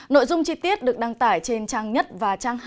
nội dung chi tiết được đăng tải trên trang nhất và trang hai mươi ba